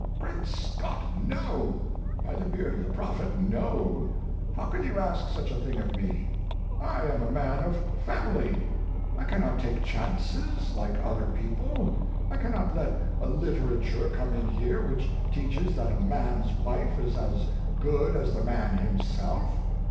Great Scott, no! By the beard of the Prophet, no! How can you ask such a thing of me? I am a man of family. I cannot take chances, like other people. I cannot let a literature come in here which teaches that a man's wife is as good as the man himself.